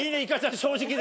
正直で。